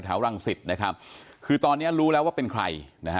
แถวรั่งสิบคือตอนนี้รู้แล้วว่าเป็นใคร